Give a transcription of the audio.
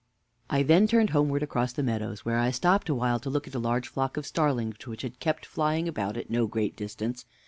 W. I then turned homeward across the meadows, where I stopped awhile to look at a large flock of starlings which kept flying about at no great distance.